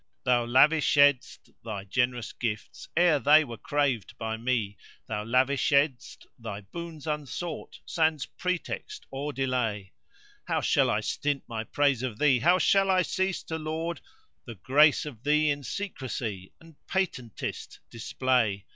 Thou lavishedst thy generous gifts ere they were craved by me * Thou lavishedst thy boons unsought sans pretext or delay: How shall I stint my praise of thee, how shall I cease to laud * The grace of thee in secresy and patentest display?